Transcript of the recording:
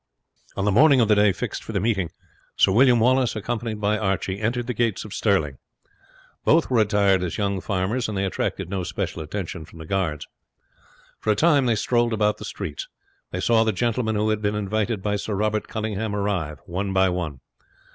On the morning of the day fixed for the meeting Sir William Wallace, accompanied by Archie, entered the gates of Stirling. Both were attired as young farmers, and they attracted no special attention from the guards. For a time they strolled about the streets. They saw the gentlemen who had been invited by Sir Robert Cunninghame arrive one by one.